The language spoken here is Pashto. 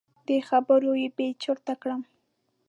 دې خبرو بې چرته کړم.